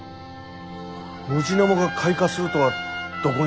ムジナモが開花するとはどこにも。